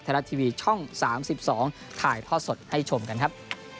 ทะเลาะทีวีช่อง๓๒ถ่ายท่อสดให้ชมกันครับ